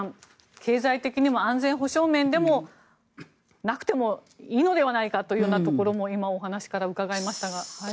経済的にも安全保障面でもなくてもいいのではないかというようなところも今、お話から伺えましたが。